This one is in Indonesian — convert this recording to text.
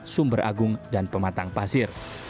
sumber agung dan pematang pasir